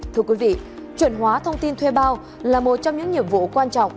thưa quý vị chuẩn hóa thông tin thuê bao là một trong những nhiệm vụ quan trọng